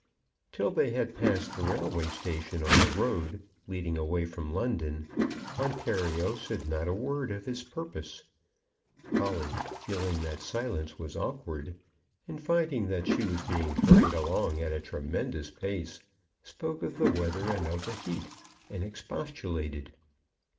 Till they had passed the railway station on the road leading away from London, Ontario said not a word of his purpose. Polly, feeling that silence was awkward, and finding that she was being hurried along at a tremendous pace, spoke of the weather and of the heat, and expostulated.